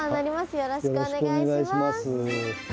よろしくお願いします。